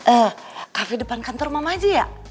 eh kafe depan kantor mama aja ya